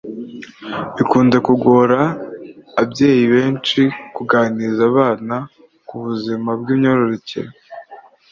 bikunze kugora abyeyi benshi kuganiriza abana ku buzima bw’imyororokere.